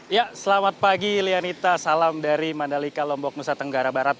ya selamat pagi lianita salam dari mandalika lombok nusa tenggara barat